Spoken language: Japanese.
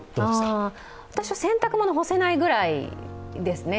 私は洗濯物干せないぐらいですかね。